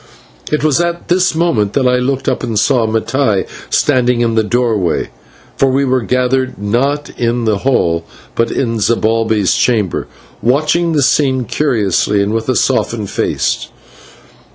It was at this moment that I looked up and saw Mattai standing in the doorway, for we were gathered, not in the hall, but in Zibalbay's chamber watching the scene curiously and with a softened face.